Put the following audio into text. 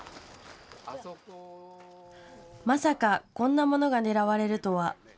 まさかこんなものが狙われるとは。